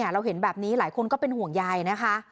เราเห็นแบบนี้หลายคนก็เป็นห่วงยายนะคะ